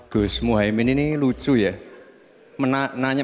gus muhaymin ini lucu ya